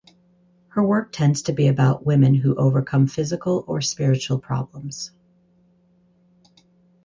Her work tends to be about women who overcome physical or spiritual problems.